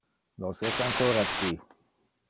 Nos es ancora ci.